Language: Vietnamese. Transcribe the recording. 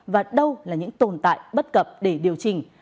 và đâu là những tồn tại bất cập để điều chỉnh